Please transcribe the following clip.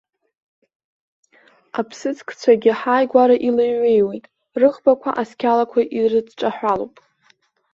Аԥсыӡкцәагьы ҳааигәара илеиҩеиуеит, рыӷбақәа асқьалақәа ирыдҿаҳәалоуп.